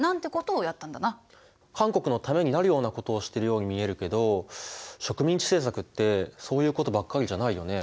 韓国のためになるようなことをしてるように見えるけど植民地政策ってそういうことばっかりじゃないよね。